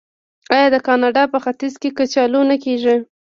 آیا د کاناډا په ختیځ کې کچالو نه کیږي؟